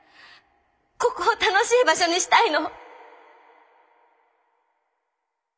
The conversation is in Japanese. ここを楽しい場所にしたいの。